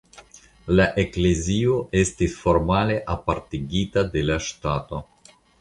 La eklezio estis formale apartigita de la ŝtato.